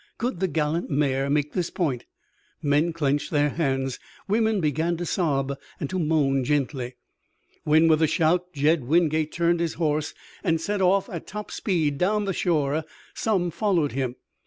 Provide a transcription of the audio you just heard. Could the gallant mare make this point? Men clenched their hands. Women began to sob, to moan gently. When with a shout Jed Wingate turned his horse and set off at top speed down the shore some followed him.